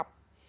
dia bisa nyerap